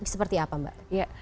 seperti apa mbak